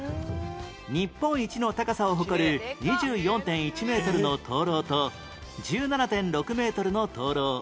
日本一の高さを誇る ２４．１ メートルの灯籠と １７．６ メートルの灯籠